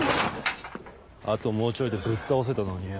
あともうちょいでぶっ倒せたのによ。